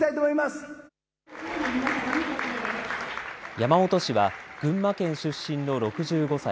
山本氏は群馬県出身の６５歳。